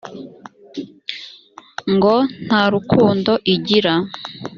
ngo nta rukundo igira